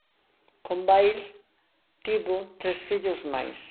Con Vail tivo tres fillos máis.